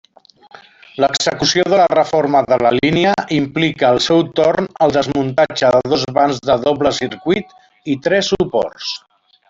L'execució de la reforma de la línia implica al seu torn el desmuntatge de dos vans de doble circuit i tres suports.